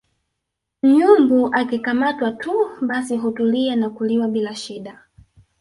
nyumbu akikamatwa tu basi hutulia na kuliwa bila shida